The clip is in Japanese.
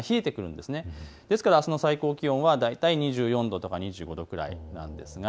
ですからあすの最高気温は２４度、２５度くらいです。